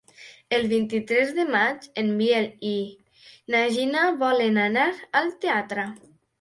El vint-i-tres de maig en Biel i na Gina volen anar al teatre.